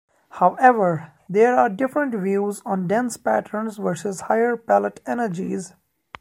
However, there are different views on dense patterns versus higher pellet energies.